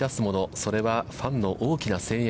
それは、ファンの大きな声援。